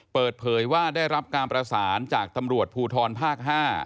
เปิดเผยว่าได้รับการประสานจากตำรวจภูทรภาค๕